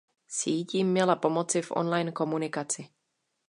Síť jim měla pomoci v online komunikaci.